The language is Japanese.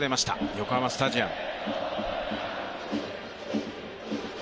横浜スタジアム。